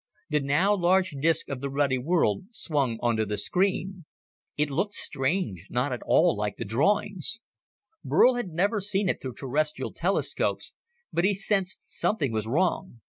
The now large disc of the ruddy world swung onto the screen. It looked strange, not at all like the drawings. Burl had never seen it through Terrestrial telescopes, but he sensed something was wrong.